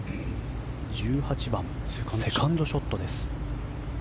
１８番、セカンドショットです。